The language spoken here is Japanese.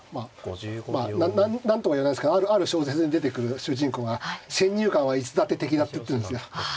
まあ何とも言えないですけどある小説に出てくる主人公が「先入観はいつだって敵だ」って言ってるんですよ。